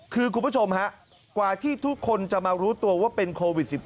คือคุณผู้ชมฮะกว่าที่ทุกคนจะมารู้ตัวว่าเป็นโควิด๑๙